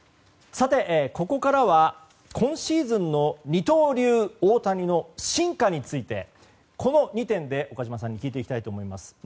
さて、ここからは今シーズンの二刀流・大谷の進化についてこの２点で岡島さんに聞いていきたいと思います。